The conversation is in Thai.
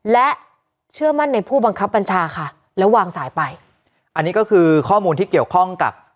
และเชื่อมั่นในผู้บังคับบัญชาค่ะแล้ววางสายไปอันนี้ก็คือข้อมูลที่เกี่ยวข้องกับ